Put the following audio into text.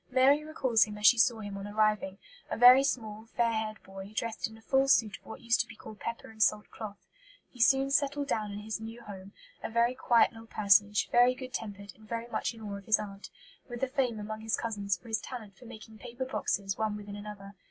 Mary recalls him as she saw him on arriving a very small, fair haired boy, dressed in "a full suit of what used to be called pepper and salt cloth." He soon settled down in his new home, "a very quiet little personage, very good tempered, and very much in awe of his aunt," with a fame among his cousins for his talent for making paper boxes one within another.